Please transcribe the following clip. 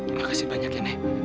makasih banyak ya nek